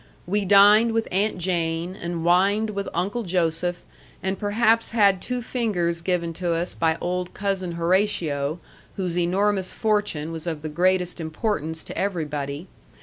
We dined with Aunt Jane, and wined with Uncle Joseph, and perhaps had two fingers given to us by old Cousin Horatio, whose enormous fortune was of the greatest importance to everybody.